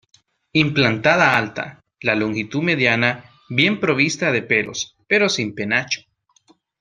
Implantada alta, de longitud mediana, bien provista de pelos, pero sin penacho.